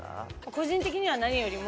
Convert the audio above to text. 個人的には何よりも。